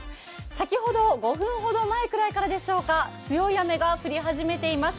先ほど５分ほど前くらいでしょうか強い雨が降り始めています。